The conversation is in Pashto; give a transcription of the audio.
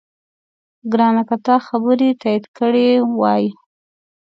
ګرانه! که تا خبرې تایید کړې وای،